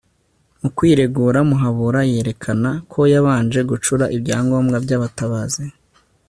mu kwiregura muhabura yerekana ko yabanje gucura ibyangombwa by'abatabazi